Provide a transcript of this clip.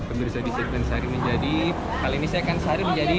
pemirsa di sekten sari menjadi